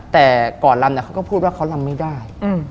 แต่ก่อนลำเขาก็พูดว่าเขาลำไม่ได้